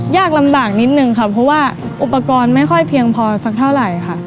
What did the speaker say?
ยากลำบากนิดนึงค่ะเพราะว่าอุปกรณ์ไม่ค่อยเพียงพอสักเท่าไหร่ค่ะ